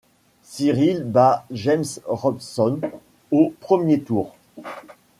Cyril bat James Robson au premier tour.